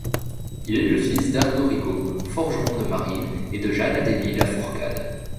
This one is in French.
Il est le fils d'Arnaud Rigaud, forgeron de marine et de Jeanne Adélie Lafourcade.